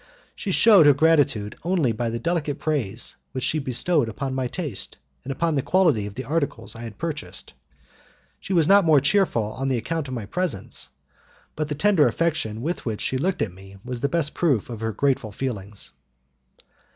She shewed her gratitude only by the delicate praise which she bestowed upon my taste and upon the quality of the articles I had purchased. She was not more cheerful on account of my presents, but the tender affection with which she looked at me was the best proof of her grateful feelings.